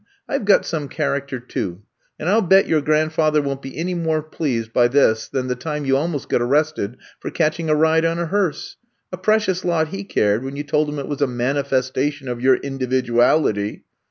I 've got some character, too ; and I '11 bet your grand father won't be any more pleased by this than the time you almost got arrested for catching a ride on a hearse. A precious lot he cared when you told him it was a mani festation of your individuality